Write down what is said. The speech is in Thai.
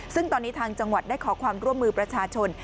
ซึ่งตอนนี้ทางจังหวัดได้ขอความร่วมมือประชาชน